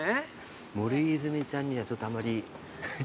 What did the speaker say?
森泉ちゃんにはちょっとあんまりちょっと。